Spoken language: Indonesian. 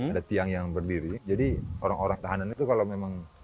ada tiang yang berdiri jadi orang orang tahanan itu kalau memang